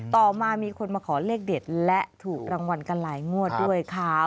ต่อมามีคนมาขอเลขเด็ดและถูกรางวัลกันหลายงวดด้วยค่ะ